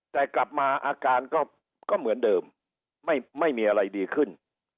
แต่กลับมาอาการก็เหมือนเดิมไม่มีอะไรดีขึ้น